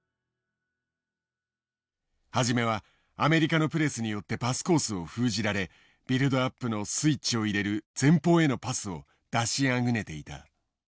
初めはアメリカのプレスによってパスコースを封じられビルドアップのスイッチを入れる前方へのパスを出しあぐねていた。